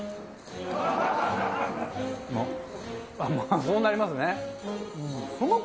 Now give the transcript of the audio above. まあそうなりますね。